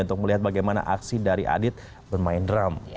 untuk melihat bagaimana aksi dari adit bermain drum